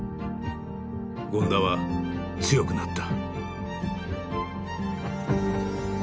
権田は強くなった。